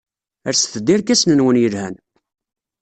Lset-d irkasen-nwen yelhan.